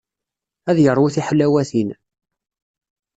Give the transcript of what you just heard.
Ad yeṛwu tiḥlawatin.